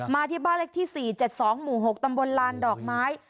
ที่บ้านเล็กที่๔๗๒หมู่๖ตำบลลานดอกไม้